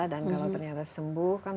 dan kalau ternyata sembuh